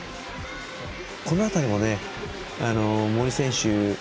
この辺りも森選手